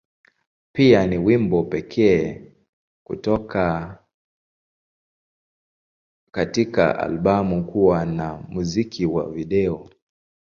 Pia, ni wimbo pekee kutoka katika albamu kuwa na muziki wa video.